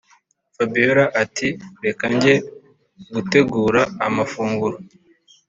fabiora ati”reka jye gutegura amafunguro